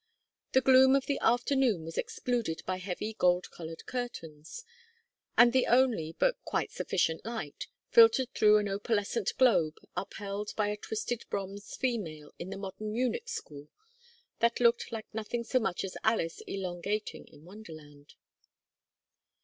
The gloom of the afternoon was excluded by heavy gold colored curtains, and the only, but quite sufficient light, filtered through an opalescent globe upheld by a twisted bronze female of the modern Munich school, that looked like nothing so much as Alice elongating in Wonderland.